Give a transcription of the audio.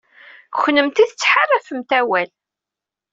Kennemti tettḥaṛafemt awal.